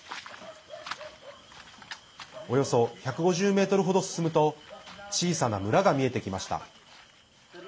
およそ１５０ｍほど進むと小さな村が見えてきました。